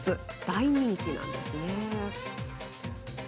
大人気なんです。